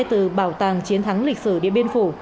từ bảo tàng chiến thắng lịch sử điện biên phủ